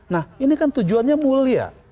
nah ini kan tujuannya mulia